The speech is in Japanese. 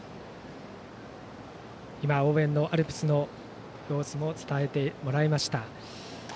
応援のアルプスの様子を伝えてもらいました。